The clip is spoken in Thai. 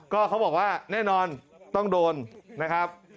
ก็เขาบอกว่าแน่นอนต้องโดนนะครับ